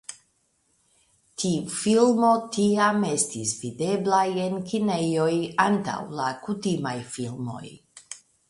Tiu filmoj tiam estis videblaj en kinejoj antaŭ la kutimaj filmoj.